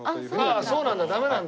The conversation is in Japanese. ああそうなんだダメなんだ。